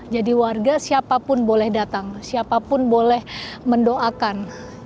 jadi warga siapapun boleh datang siapapun boleh mendoakan